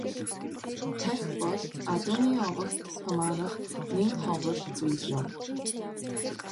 Тахь бол Адууны овогт хамаарах нэн ховор зүйл юм.